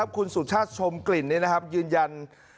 คุณสุชาติชมกลิ่นยืนยัน